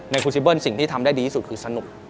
ครูซิเบิ้ลสิ่งที่ทำได้ดีที่สุดคือสนุก